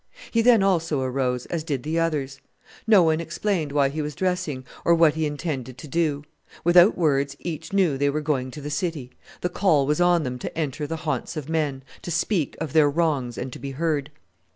He, then, also arose, as did the others. No one explained why he was dressing, or what he intended to do. Without words each knew they were going to the city the call was on them to enter the haunts of men to speak of their wrongs and to be heard!